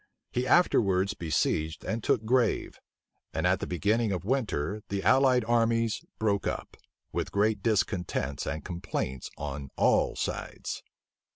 He afterwards besieged and took Grave; and at the beginning of winter the allied armies broke up, with great discontents and complaints on all sides.